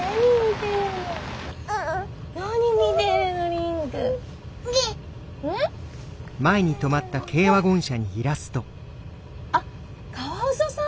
蓮くん。あっカワウソさん？